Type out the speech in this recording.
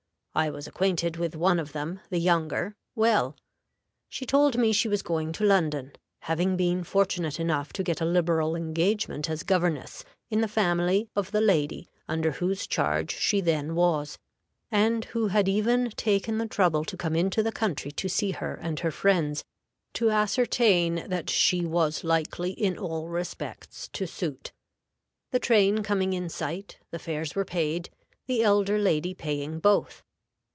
I was acquainted with one of them, the younger, well. She told me she was going to London, having been fortunate enough to get a liberal engagement as governess in the family of the lady under whose charge she then was, and who had even taken the trouble to come into the country to see her and her friends, to ascertain that she was likely in all respects to suit. The train coming in sight, the fares were paid, the elder lady paying both.